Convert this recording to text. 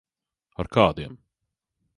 Ar kādiem?